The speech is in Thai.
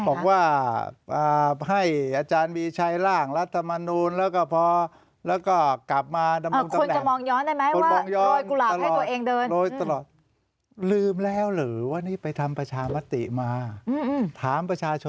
บอกว่าให้อาจารย์มีชัยร่างรัฐมนุนแล้วก็พอแล้วก็กลับมา